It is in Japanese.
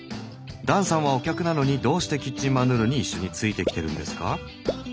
「だんさんはお客なのにどうしてキッチンマヌールに一緒についてきてるんですか？」。